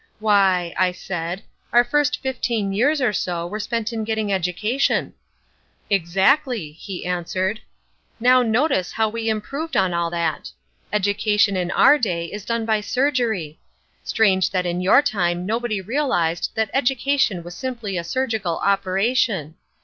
"Why," I said, "our first fifteen years or so were spent in getting education." "Exactly," he answered; "now notice how we improved on all that. Education in our day is done by surgery. Strange that in your time nobody realised that education was simply a surgical operation.